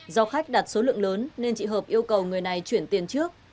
do khách đặt số lượng lớn nên chị hợp yêu cầu người này chuyển tiền trước